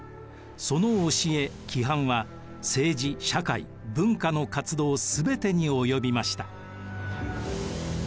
その教え規範は政治社会文化の活動全てに及びました。